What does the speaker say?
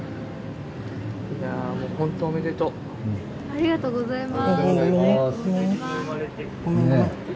おめでとうございます。